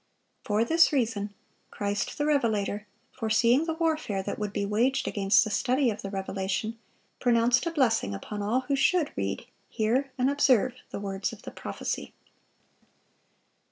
For this reason, Christ the Revelator, foreseeing the warfare that would be waged against the study of the Revelation, pronounced a blessing upon all who should read, hear, and observe the words of the prophecy.